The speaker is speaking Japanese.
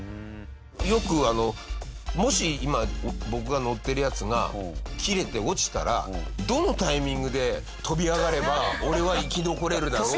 よくあのもし今僕が乗ってるやつが切れて落ちたらどのタイミングで跳び上がれば俺は生き残れるだろうって。